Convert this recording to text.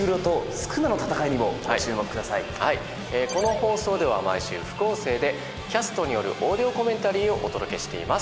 ええこの放送では毎週副音声でキャストによるオーディオコメンタリーをお届けしています。